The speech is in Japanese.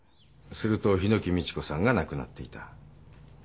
すると檜美智子さんが亡くなっていた。